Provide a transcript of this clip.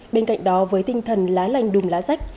bên cạnh đó với tinh thần lá lành đùm lá rách